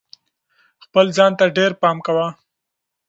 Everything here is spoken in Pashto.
خپل ځان ته ډېر پام کوه.